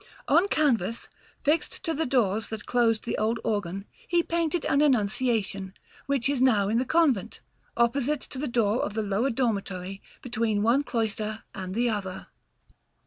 On canvas, fixed to the doors that closed the old organ, he painted an Annunciation, which is now in the convent, opposite to the door of the lower dormitory, between one cloister and the other.